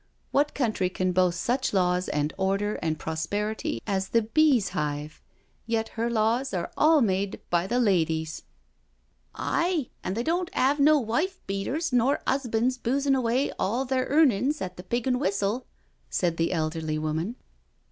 What country can boast such law and order and prosperity as the bees ' hive? — yet her laws are all made by the ladies I "Aye, and they don't 'ave no wife beaters nor 'usban's boozin' away all their earnin's at the * Pig an' Whistle 'I " said the elderly woman.